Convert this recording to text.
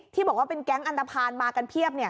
ที่บอกว่าเป็นแก๊งอันตภัณฑ์มากันเพียบ